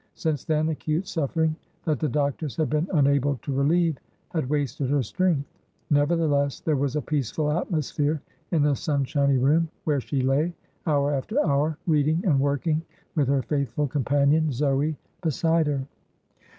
Since then acute suffering that the doctors had been unable to relieve had wasted her strength. Nevertheless, there was a peaceful atmosphere in the sunshiny room, where she lay hour after hour reading and working with her faithful companion Zoe beside her.